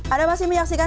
anda masih menyaksikan